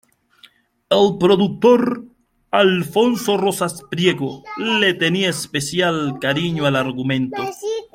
El productor, Alfonso Rosas Priego, le tenía especial cariño al argumento.